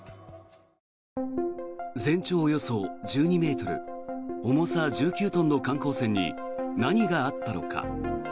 全長およそ１２ｍ重さ１９トンの観光船に何があったのか。